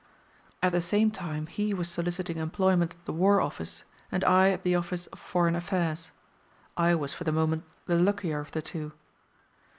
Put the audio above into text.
At the same time he was soliciting employment at the War Office, and I at the office of Foreign Affairs. I was for the moment the luckier of the two.